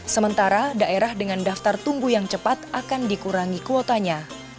sementara daerah dengan daftar tunggu yang cepat akan dikurangi kuotanya